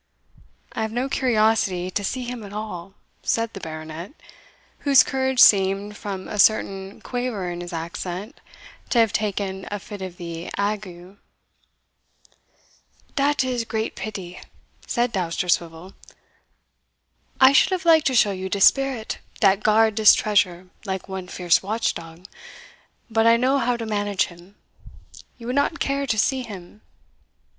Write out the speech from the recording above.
"I have no curiosity to see him at all," said the Baronet, whose courage seemed, from a certain quaver in his accent, to have taken a fit of the ague. "Dat is great pity," said Dousterswivel; "I should have liked to show you de spirit dat guard dis treasure like one fierce watchdog but I know how to manage him; you would not care to see him?"